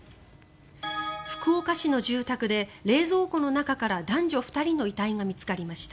福岡市の住宅で冷蔵庫の中から男女２人の遺体が見つかりました。